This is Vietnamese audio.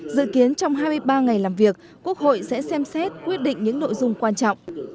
dự kiến trong hai mươi ba ngày làm việc quốc hội sẽ xem xét quyết định những nội dung quan trọng